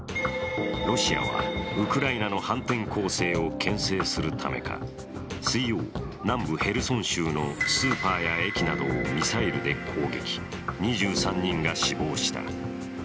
ロシアはウクライナの反転攻勢をけん制するためか水曜、南部ヘルソン州のスーパーや駅などをミサイルで攻撃、２３人が死亡した。